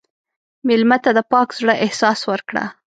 مېلمه ته د پاک زړه احساس ورکړه.